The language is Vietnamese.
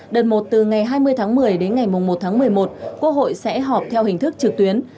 đợt một từ ngày hai mươi tháng một mươi đến ngày một tháng một mươi một quốc hội sẽ họp theo hình thức trực tuyến